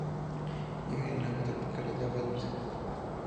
Viven en aguas tropicales de agua dulce.